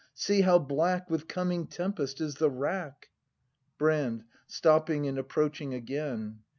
see how black With coming tempest is the wrack! Brand. [Stopping and approaching again.